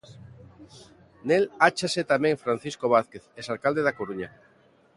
Nel áchase tamén Francisco Vázquez, ex alcalde da Coruña.